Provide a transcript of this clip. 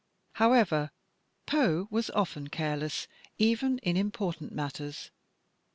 However, Poe was often careless, even in important mat ters.